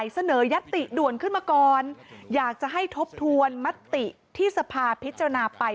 ยัตติด่วนขึ้นมาก่อนอยากจะให้ทบทวนมติที่สภาพิจารณาไป